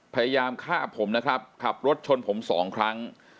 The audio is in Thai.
พยายามฆ่าผมนะครับขับรถชนผมสองครั้ง